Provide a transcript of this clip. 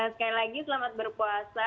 sekali lagi selamat berpuasa